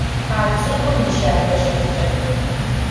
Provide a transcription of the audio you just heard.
А цӏыкӏум и шатэ шхыкӏэр.